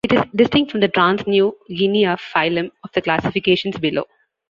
It is distinct from the Trans-New Guinea phylum of the classifications below.